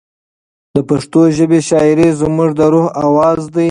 د پښتو ژبې شاعري زموږ د روح اواز دی.